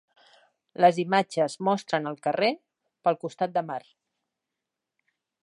Les imatges mostren el carrer pel costat de mar.